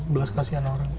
belas kasihan orang